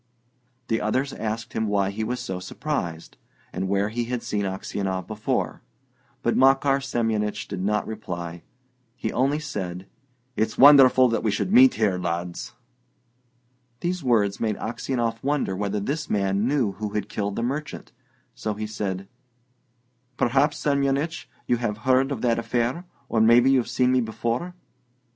The others asked him why he was so surprised, and where he had seen Aksionov before; but Makar Semyonich did not reply. He only said: "It's wonderful that we should meet here, lads!" These words made Aksionov wonder whether this man knew who had killed the merchant; so he said, "Perhaps, Semyonich, you have heard of that affair, or maybe you've seen me before?"